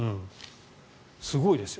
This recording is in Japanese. すごいですよ。